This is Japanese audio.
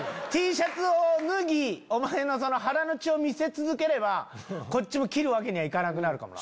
Ｔシャツを脱ぎお前の腹の血を見せ続ければ切るわけにはいかなくなるかも。